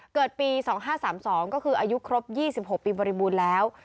เกิดปี๒๕๓๒ก็คืออายุครบ๒๖ปีบริบูรณ์แล้ว